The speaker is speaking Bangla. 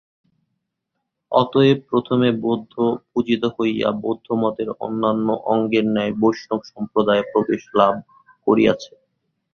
অতএব প্রথমে বৌদ্ধ-পূজিত হইয়া বৌদ্ধমতের অন্যান্য অঙ্গের ন্যায় বৈষ্ণব সম্প্রদায়ে প্রবেশ লাভ করিয়াছে।